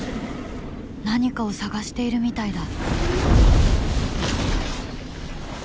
何かを探しているみたいだ。